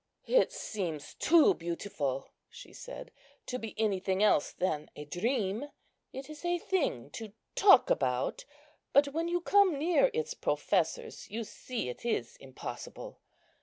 "It seems too beautiful," she said, "to be anything else than a dream. It is a thing to talk about, but when you come near its professors you see it is impossible.